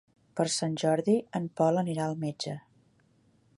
Per Sant Jordi en Pol anirà al metge.